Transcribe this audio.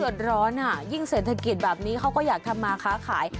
ร้อนอ่ะยิ่งเศรษฐกิจแบบนี้เขาก็อยากทำมาค้าขาย